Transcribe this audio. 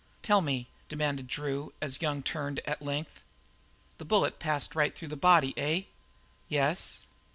"Tell me!" demanded Drew, as Young turned at length. "The bullet passed right through the body, eh?" "Yes."